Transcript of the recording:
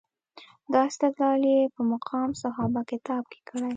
دا استدلال یې په مقام صحابه کتاب کې کړی.